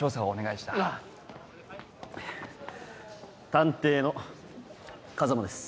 探偵の風真です。